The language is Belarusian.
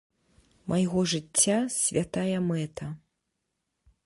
Майго жыцця святая мэта.